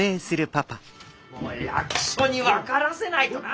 お役所に分からせないとな。